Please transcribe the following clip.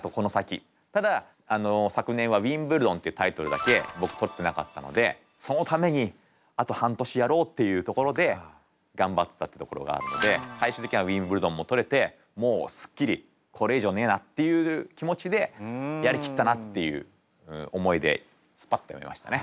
ただ昨年はウィンブルドンっていうタイトルだけ僕取ってなかったのでそのためにあと半年やろうっていうところで頑張ってたってところがあるので最終的にはウィンブルドンも取れてもうすっきり「これ以上ねえな」っていう気持ちで「やりきったな」っていう思いですぱっとやめましたね。